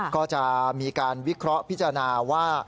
ก็จะมีการวิเคราะห์พิจารณาว่า